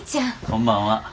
こんばんは。